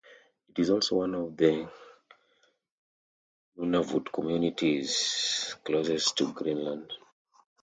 It is also one of the Nunavut communities closest to Greenland.